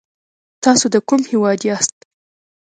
تاسو د کوم هېواد یاست ؟